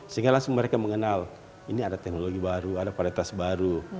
sehingga langsung mereka mengenal ini ada teknologi baru ada paritas baru